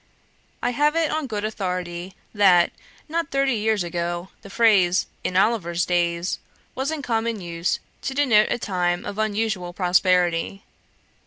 I have it on good authority that, not thirty years ago, the phrase, "in Oliver's days," was in common use to denote a time of unusual prosperity.